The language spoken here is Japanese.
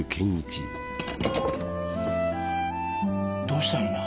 どうしたんいな？